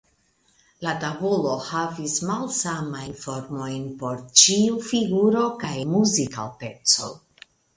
La tabulo havis malsamajn formojn por ĉiu figuro kaj muzikalteco.